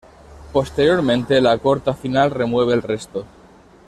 Posteriormente, la corta final remueve el resto.